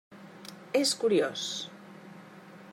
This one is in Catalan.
És curiós!